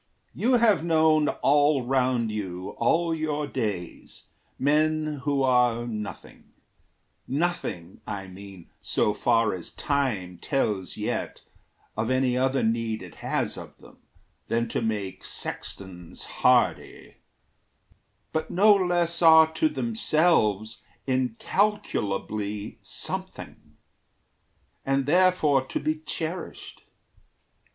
You have known All round you, all your days, men who are nothing Nothing, I mean, so far as time tells yet Of any other need it has of them Than to make sextons hardy but no less Are to themselves incalculably something, And therefore to be cherished.